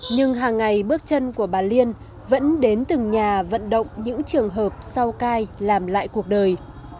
nhưng hàng ngày bước chân của bà liên vẫn đến từng nhà vận động những trường hợp sau cai làm lại cuộc đời